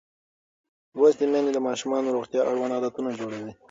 لوستې میندې د ماشومانو د روغتیا اړوند عادتونه جوړوي.